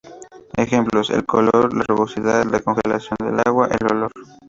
Ejemplos: el color, la rugosidad, la congelación del agua, el olor.